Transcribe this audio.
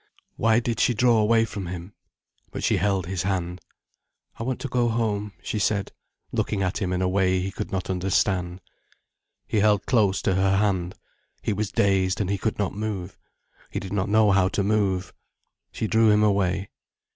Why did she draw away from him? But she held his hand. "I want to go home," she said, looking at him in a way he could not understand. He held close to her hand. He was dazed and he could not move, he did not know how to move. She drew him away.